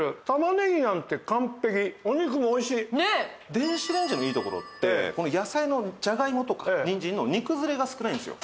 電子レンジのいいところってこの野菜のじゃがいもとかにんじんの煮崩れが少ないんですよ。